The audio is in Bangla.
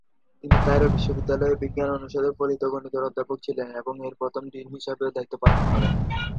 তিনি কায়রো বিশ্ববিদ্যালয়ের বিজ্ঞান অনুষদের ফলিত গণিতের অধ্যাপক ছিলেন এবং এর প্রথম ডিন হিসাবেও দায়িত্ব পালন করেন।